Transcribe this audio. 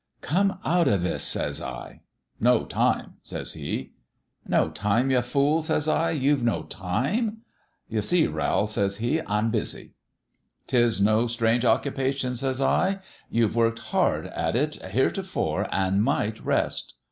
"' Come out o' this !' says I. "' No time,' says he. "' No time, ye fool !' says I. ' You've no time ?'"' You see, Rowl,' says he, ' I'm busy.' "' 'Tis no strange occupation,' says I. ' You've worked hard at it heretofore an' might rest.'